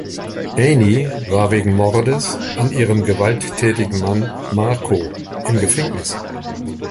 Annie war wegen Mordes an ihrem gewalttätigen Mann Marco im Gefängnis.